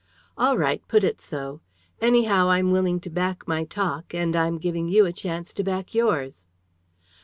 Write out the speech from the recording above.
"All right, put it so. Anyhow, I'm willing to back my talk. And I'm giving you a chance to back yours."